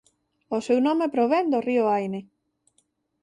O seu nome provén do río Haine.